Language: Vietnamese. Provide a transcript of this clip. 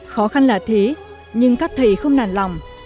khó khăn là thế nhưng các thầy không nản lòng